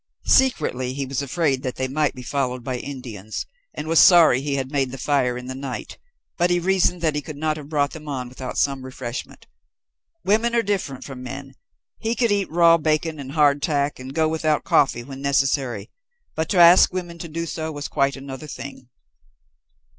Secretly he was afraid that they might be followed by Indians, and was sorry he had made the fire in the night, but he reasoned that he could never have brought them on without such refreshment. Women are different from men. He could eat raw bacon and hard tack and go without coffee, when necessary, but to ask women to do so was quite another thing.